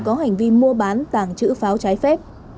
có hành vi mua bán tàng trữ pháo trái phép